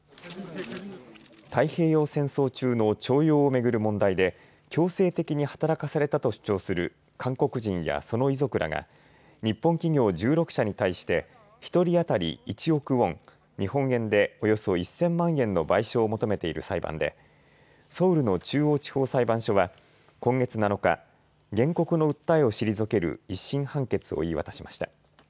太平洋戦争中の徴用を巡る問題で、強制的に働かされたと主張する韓国人やその遺族らが日本企業１６社に対して１人当たり１億ウォン、日本円でおよそ１０００万円の賠償を求めている裁判でソウルの中央地方裁判所は今月７日、原告の訴えを退ける１審判決を言い渡しました。